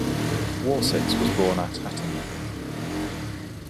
Warsitz was born at Hattingen.